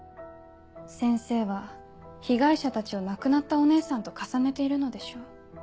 先生は被害者たちを亡くなったお姉さんと重ねているのでしょう。